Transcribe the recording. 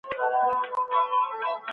تاسي باید خپله ژبه له پرديو کلمو څخه وساتئ